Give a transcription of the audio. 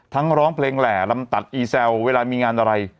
ร้องเพลงแหล่ลำตัดอีแซวเวลามีงานอะไร